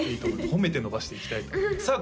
褒めて伸ばしていきたいとさあ